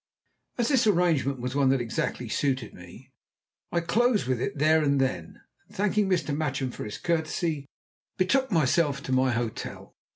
As this arrangement was one that exactly suited me, I closed with it there and then, and thanking Mr. Matchem for his courtesy, betook myself to my hotel.